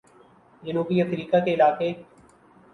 جنوبی افریقہ کے علاقہ